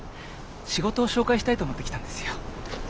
仕事を紹介したいと思って来たんですよ。